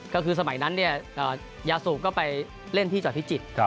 ก็คือสมัยนั้นยาสูบก็ไปเล่นที่จอดพิจิตร